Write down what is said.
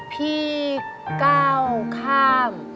พี่ก้าวข้าม